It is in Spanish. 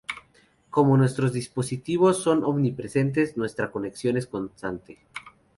Como nuestros dispositivos son omnipresentes, nuestra conexión es constante.